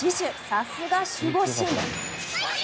さすが守護神！